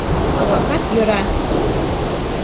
Тугакат йӧра...